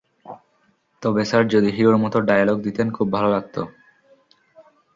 তবে স্যার, যদি হিরোর মতো ডায়ালগ দিতেন, খুব ভাল লাগতো।